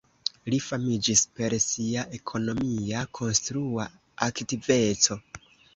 Li famiĝis per sia ekonomia konstrua aktiveco.